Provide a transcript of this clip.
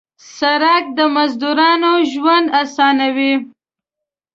سړک د مزدورانو ژوند اسانوي.